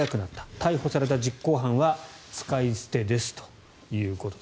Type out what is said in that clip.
逮捕された実行犯は使い捨てですということです。